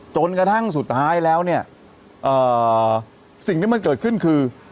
จนกระทั่งสุดท้ายแล้วเนี่ยสิ่งที่มันเกิดขึ้นคือ